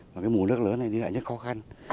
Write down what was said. mùa nước lớn này đi lại nhất khó khăn